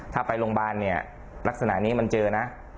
ถ้าไปโรงพยาบาลเนี่ยลักษณะนี้มันเจอนะ